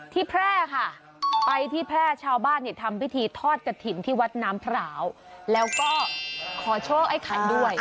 แพร่ค่ะไปที่แพร่ชาวบ้านเนี่ยทำพิธีทอดกระถิ่นที่วัดน้ำพร้าวแล้วก็ขอโชคไอ้ไข่ด้วย